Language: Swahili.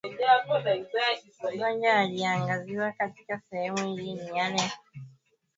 Magonjwa yaliyoangaziwa katika sehemu hii ni yale ambayo dalili zake kuu hugunduliwa kwa kuangalia